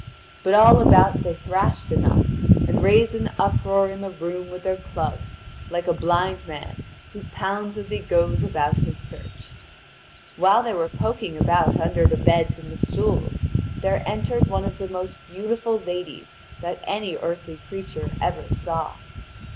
But all about they thrashed enough, and raised an uproar in the room with their clubs, like a blind man who pounds as he goes about his search. While they were poking about under the beds and the stools, there entered one of the most beautiful ladies that any earthly creature ever saw.